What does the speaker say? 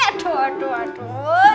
aduh aduh aduh